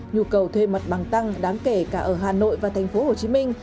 nhu cầu thuê mặt bằng tăng đáng kể cả ở hà nội và thành phố hồ chí minh